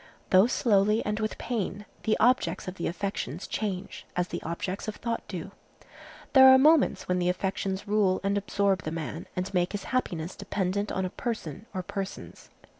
Though slowly and with pain, the objects of the affections change, as the objects of thought do. There are moments when the affections rule and absorb the man and make his happiness dependent on a person or persons.